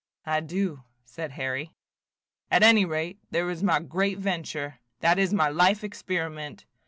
"I do," said Harry. "At any rate, there is my great venture; that is my life experiment.